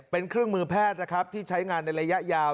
เป็นเครื่องมือแพทย์นะครับที่ใช้งานในระยะยาว